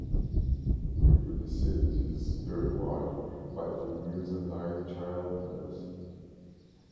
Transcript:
He predeceased his third wife by three years and died childless.